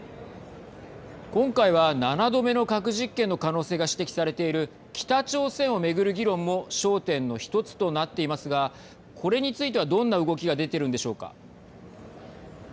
今回は７度目の核実験の可能性が指摘されている北朝鮮を巡る議論も焦点の１つとなっていますがこれについてはどんな動きがはい。